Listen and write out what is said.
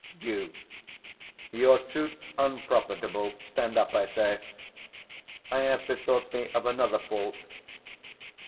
Duke. Your suit's unprofitable; stand up, I say. I have bethought me of another fault.